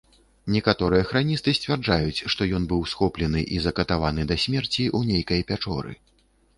Некаторыя храністы сцвярджаюць, што ён быў схоплены і закатаваны да смерці ў нейкай пячоры.